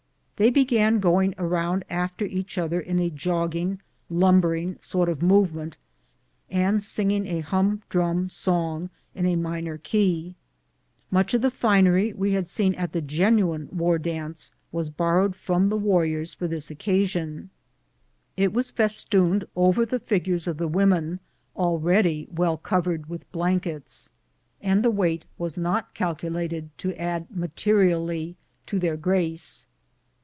They began going around after each other in a jogging, lumbering sort of movement, and singing a humdrum song in a minor key. Much of A "STRONG HEART" DANCE! 137 the finery we had seen at the genuine war dance was borrowed from the warriors for this occasion. It was festooned over the figures of the women already well covered with blankets, and the weight was not calculated to add materially to their grace.